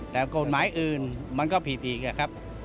แต่กฎหมายอื่นมันก็ผิดอีกครับ